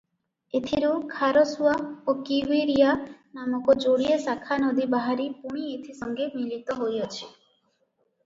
ଏଥୁରୁ ଖାରସୁଆ ଓ କିହ୍ୱିରିଆ ନାମକ ଯୋଡ଼ିଏ ଶାଖାନଦୀ ବାହାରି ପୁଣି ଏଥି ସଙ୍ଗେ ମିଳିତ ହୋଇଅଛି ।